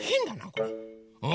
これ。